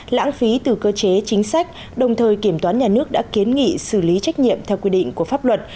lãng phí từ cơ chế chính sách đồng thời kiểm toán nhà nước đã kiến nghị xử lý trách nhiệm theo quy định của pháp luật